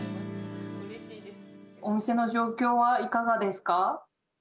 お店の状況はいかがですか？